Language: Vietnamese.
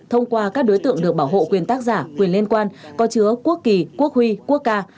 thông qua các đối tượng được bảo hộ quyền tác giả quyền liên quan có chứa quốc kỳ quốc huy quốc ca